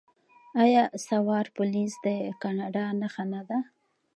آیا سوار پولیس د کاناډا نښه نه ده؟